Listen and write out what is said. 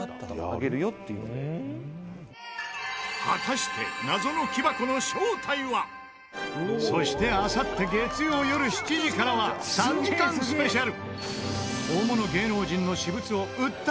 果たしてそしてあさって月曜よる７時からは３時間スペシャル！